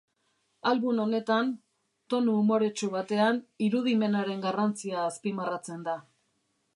Album honetan, tonu umoretsu batean, irudimenaren garrantzia azpimarratzen da.